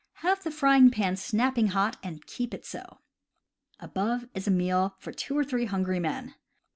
Have the frying pan snapping hot, and keep it so. Above is a meal for two or three hungry men.